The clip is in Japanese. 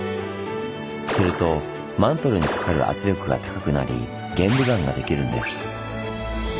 するとマントルにかかる圧力が高くなり玄武岩ができるんです。